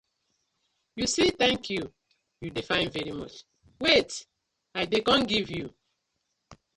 You see "thank you", you dey find "very much", wait I dey com giv you.